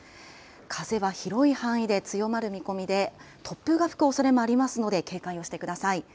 風は広い範囲で強まる見込みで、突風が吹くおそれもありますので、警戒をしてください。